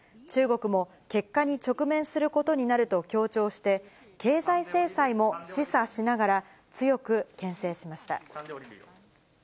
中国も結果に直面することになると強調して、経済制裁も示唆しながら、強くけん制しました。